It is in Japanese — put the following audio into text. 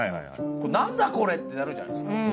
何だこれってなるじゃないですか。